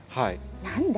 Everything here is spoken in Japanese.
何だ。